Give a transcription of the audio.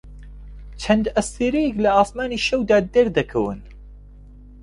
چەند ئەستێرەیەک لە ئاسمانی شەودا دەردەکەون.